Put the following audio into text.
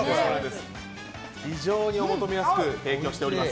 非常にお求めやすく提供しております。